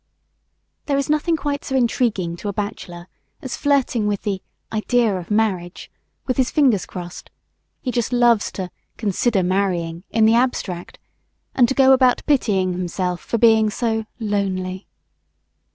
There is nothing quite so intriguing to a bachelor as flirting with the "idea of marriage" with his fingers crossed. He just loves to "consider marrying" in the abstract and to go about pitying himself for being so "lonely."